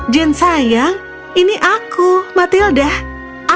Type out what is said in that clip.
jim tahu saya adalah matilda